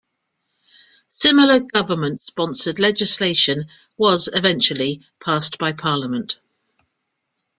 Similar government sponsored legislation was eventually passed by Parliament.